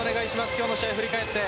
今日の試合、振り返って。